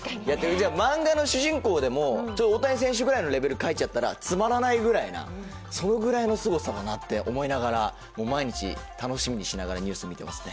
漫画の主人公でも大谷選手くらいのレベル描いちゃったらつまらないぐらいな、そのぐらいのすごさだなって思いながら毎日、楽しみにしながらニュース、見てますね。